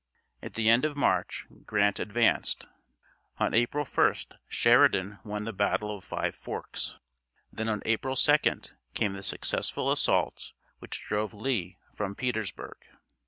At the end of March Grant advanced. On April 1st Sheridan won the battle of Five Forks; then on April 2d came the successful assaults which drove Lee from Petersburg.